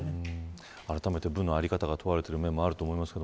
あらため部の在り方が問われている面もあると思います。